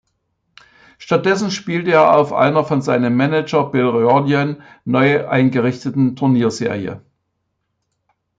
Stattdessen spielte er auf einer von seinem Manager Bill Riordan neu eingerichteten Turnierserie.